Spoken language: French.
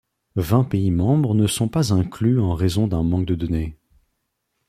Vingt pays membres ne sont pas inclus en raison d’un manque de données.